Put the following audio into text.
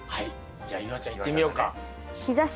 じゃあ夕空ちゃんいってみようか。